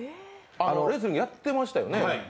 レスリングやってましたよね